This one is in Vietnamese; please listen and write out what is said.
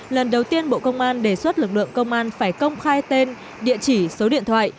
lần đầu tiên bộ công an đề xuất lực lượng công an phải công khai tên địa chỉ số điện thoại